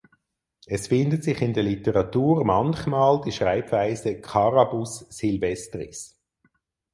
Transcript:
Es findet sich in der Literatur manchmal die Schreibweise "Carabus silvestris".